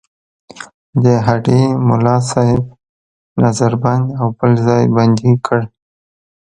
د هډې ملاصاحب نظر بند او بل ځل بندي کړ.